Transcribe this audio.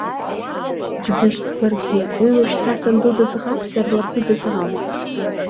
Џьбышьҭ, баргьы, уи уажәшьҭа санду дыӡӷабзар ларгьы дыӡӷабуп.